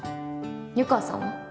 湯川さんは？